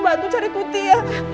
bantu cari tuti ya